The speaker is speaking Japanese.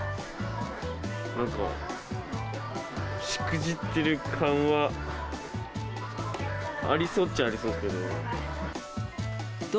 なんか、しくじってる感はありそうっちゃありそうですけど。